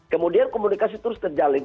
kemudian komunikasi terus terjalin